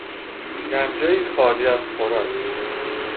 گنجهی خالی از خوراک